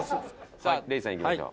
さあ礼二さんいきましょう。